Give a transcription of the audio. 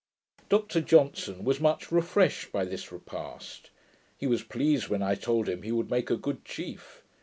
Dr Johnson was much refreshed by this repast. He was pleased when I told him he would make a good chief.